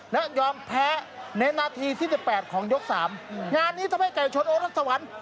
และยอมแพ้ในนาทีที่สิบแปดของยกสามงานนี้ทำให้ไก่ชนโอรัสสวรรค์